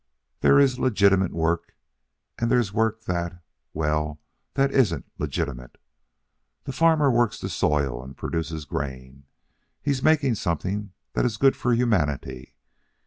There is legitimate work, and there's work that well, that isn't legitimate. The farmer works the soil and produces grain. He's making something that is good for humanity.